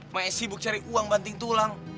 maya sibuk cari uang banting tulang